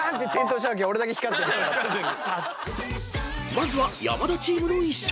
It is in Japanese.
［まずは山田チームの１勝］